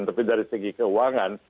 tapi dari segi keuangan